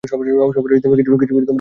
সবারই কিছু গোপন বিষয় থাকে।